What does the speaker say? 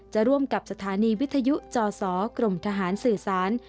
ร่วมกับสถานีวิทยุจศกรมทหารสื่อสาร